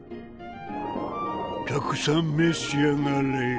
たくさん召し上がれ。